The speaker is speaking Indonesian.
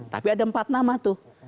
tapi ada empat nama tuh